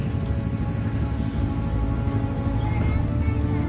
สวัสดีครับคุณผู้ชาย